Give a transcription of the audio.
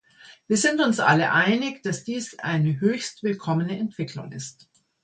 Wir sind uns alle einig, dass dies eine höchst willkommene Entwicklung ist.